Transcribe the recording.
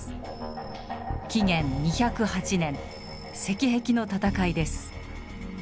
紀元２０８年赤壁の戦いです。